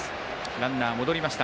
ランナー戻りました。